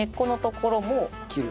切る？